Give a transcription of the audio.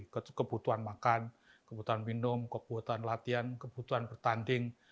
kebutuhan makan kebutuhan minum kebutuhan latihan kebutuhan bertanding